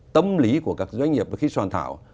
tâm lý của các doanh nghiệp khi soàn thảo